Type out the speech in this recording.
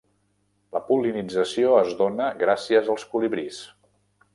La pol·linització es dóna gràcies als colibrís.